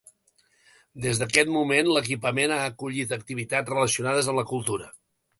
Des d'aquest moment l'equipament ha acollit activitats relacionades amb la cultura.